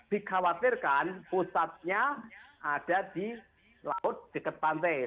dikhawatirkan pusatnya ada di laut dekat pantai